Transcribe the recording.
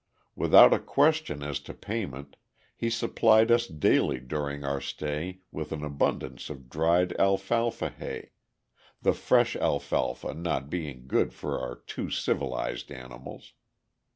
Without a question as to payment, he supplied us daily during our stay with an abundance of dried alfalfa hay, the fresh alfalfa not being good for our too civilized animals.